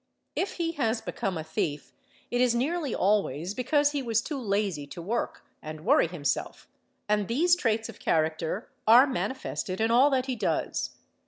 If he has become a thief, it is nearly always because he was too lazy to work and worry himself, and POT eg ee ee, Se lee ale ) these traits of character are manifested in all that he does.